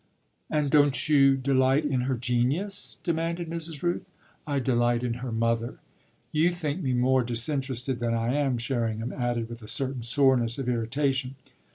"Ah don't you delight in her genius?" demanded Mrs. Rooth. "I delight in her mother. You think me more disinterested than I am," Sherringham added with a certain soreness of irritation.